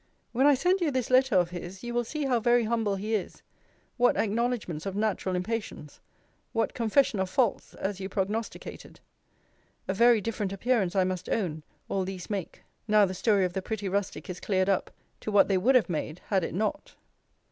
When I send you this letter of his, you will see how very humble he is: what acknowledgements of natural impatience: what confession of faults, as you prognosticated. A very different appearance, I must own, all these make, now the story of the pretty rustic is cleared up, to what they would have made, had it not.